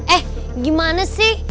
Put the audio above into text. eh gimana sih